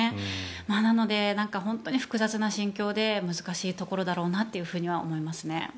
なので、本当に複雑な心境で難しいところだろうなとは思いますよね。